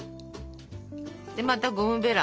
でまたゴムベラ。